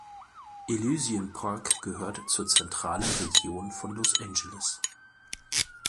Elysian Park gehört zur zentralen Region von Los Angeles.